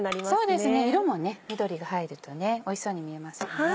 そうですね色も緑が入るとおいしそうに見えますよね。